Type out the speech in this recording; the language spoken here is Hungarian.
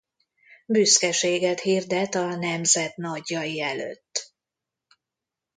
Büszkeséget hirdet a nemzet nagyjai előtt.